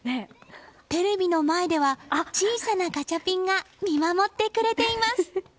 テレビの前では小さなガチャピンが見守ってくれています。